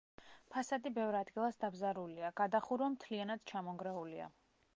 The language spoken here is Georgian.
ფასადი ბევრ ადგილას დაბზარულია, გადახურვა მთლიანად ჩამონგრეულია.